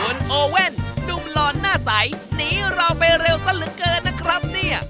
คุณโอเว่นหนุ่มหล่อนหน้าใสหนีเราไปเร็วซะเหลือเกินนะครับเนี่ย